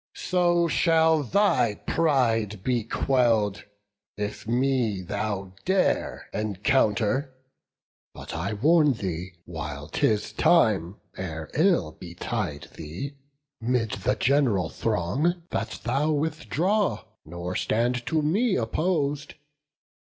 So shall thy pride be quell'd, if me thou dare Encounter; but I warn thee, while 'tis time, Ere ill betide thee, 'mid the gen'ral throng That thou withdraw, nor stand to me oppos'd.